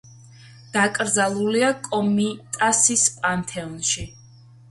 დაკრძალულია კომიტასის პანთეონში.